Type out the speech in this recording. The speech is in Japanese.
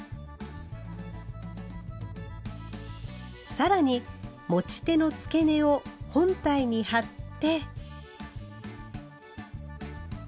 更に持ち手の付け根を本体に貼って。